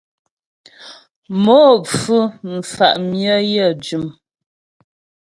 Mo pfú mfà' myə yə jʉm.